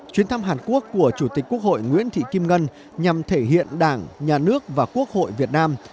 chuyến thăm hàn quốc của chủ tịch quốc hội nguyễn thị kim ngân nhằm thể hiện đảng nhà nước và quốc hội việt nam